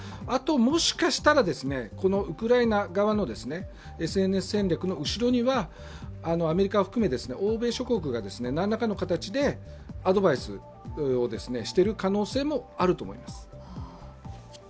あと、もしかしたらウクライナ側のＳＮＳ戦略の後ろにはアメリカを含め欧米諸国が何らかの形でアドバイスをしている可能性もあると思います。